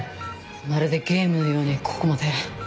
まるでゲームのようにここまで。